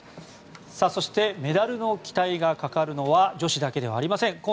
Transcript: そしてメダルの期待がかかるのは女子だけではありません。